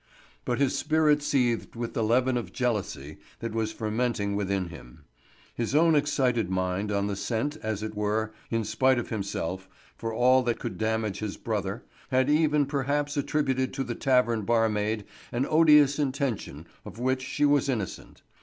But his spirit seethed with the leaven of jealousy that was fermenting within him. His own excited mind, on the scent, as it were, in spite of himself, for all that could damage his brother, had even perhaps attributed to the tavern barmaid an odious intention of which she was innocent.